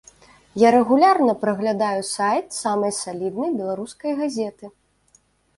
Я рэгулярна праглядаю сайт самай саліднай беларускай газеты.